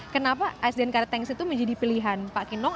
kenapa sdn karet tengsin itu menjadi pilihan pak kinong